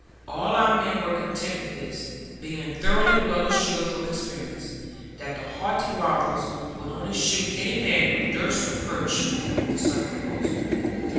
All our men were content with this, being thoroughly well assured from experience, that the haughty robbers would only shoot any man who durst approach them with such proposal.